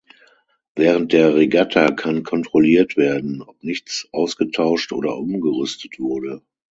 Während der Regatta kann kontrolliert werden, ob nichts ausgetauscht oder umgerüstet wurde.